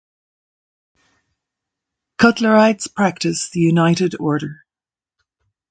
Cutlerites practice the United Order.